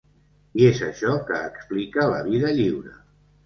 I és això que explica La vida lliure.